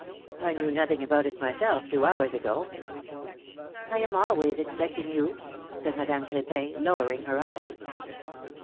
I knew nothing about it myself two hours ago! *^Iam always expecting you ! said Madame Cr6pin, lowering her eyes.